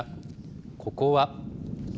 ここは。